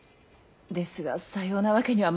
ですがさようなわけにはまいりませぬ。